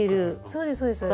そうですそうです。